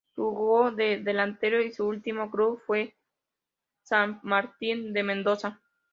Jugó de delantero y su último club fue San Martín de Mendoza.